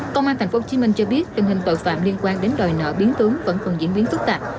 công an tp hcm cho biết tình hình tội phạm liên quan đến đòi nợ biến tướng vẫn còn diễn biến phức tạp